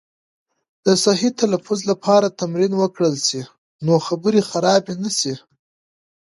د صحیح تلفظ لپاره تمرین وکړل سي، نو خبرې خرابې نه سي.